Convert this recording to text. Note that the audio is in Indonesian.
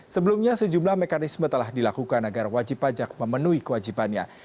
sebelumnya sejumlah mekanisme telah dilakukan agar wajib pajak memenuhi kewajibannya